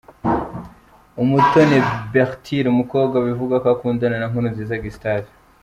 Umutoni Bertile umukobwa bivugwa ko akundana na Nkurunziza Gustave .